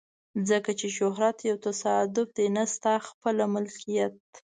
ځکه چې شهرت یو تصادف دی نه ستا خپله ملکیت.